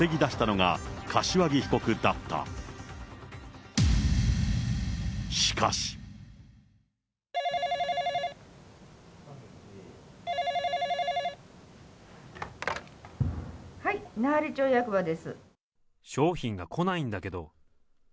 はい、商品が来ないんだけど。